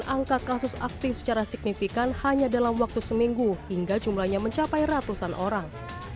angka kasus aktif secara signifikan hanya dalam waktu seminggu hingga jumlahnya mencapai ratusan orang